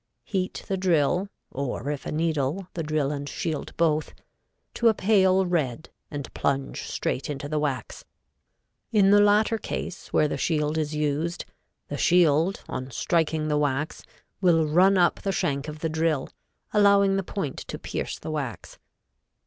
Heat the drill (or if a needle, the drill and shield both), to a pale red and plunge straight into the wax. In the latter case, where the shield is used, the shield, on striking the wax, will run up the shank of the drill, allowing the point to pierce the wax.